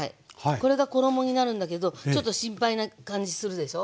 これが衣になるんだけどちょっと心配な感じするでしょ。